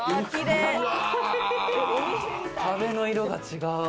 壁の色が違う。